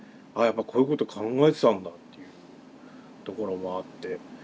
ああやっぱこういうこと考えてたんだっていうところもあって。